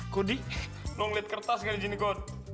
kodi lo liat kertas gak di sini kot